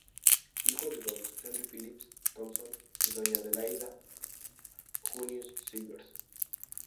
Hijo de don "Henry Phillips Thompson" y doña "Adelaida Huneeus Zegers".